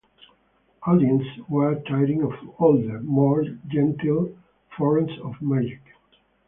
Audiences were tiring of older, more genteel forms of magic.